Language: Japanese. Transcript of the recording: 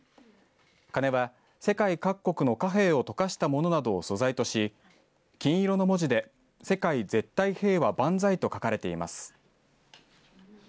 鐘は世界各国の貨幣を溶かしたものなどを素材とし金色の文字で世界絶対平和萬歳と書かれています。